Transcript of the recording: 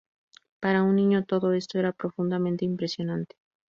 Para un niño, todo esto era profundamente impresionante.